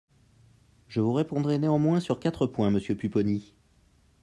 Je vous répondrai néanmoins sur quatre points, monsieur Pupponi.